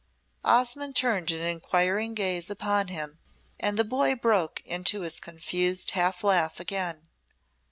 Osmonde turned an inquiring gaze upon him, and the boy broke into his confused half laugh again.